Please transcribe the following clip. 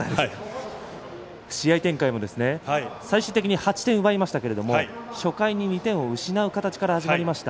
試合展開も最終的に８点奪いましたけど初回に２点失う形で始まりました。